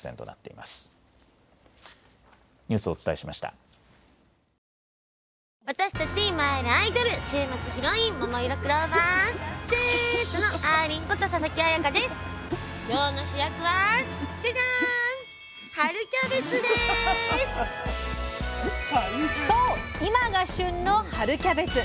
いまが旬の「春キャベツ」！